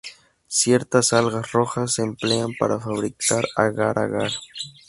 Ciertas algas rojas se emplean para fabricar agar-agar.